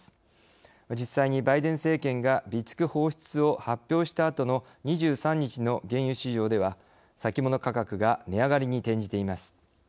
実際にバイデン政権が備蓄放出を発表したあとの２３日の原油市場では先物価格が値上がりに転じています。